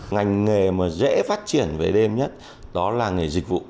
ngành nghề mà dễ phát triển về đêm nhất đó là nghề dịch vụ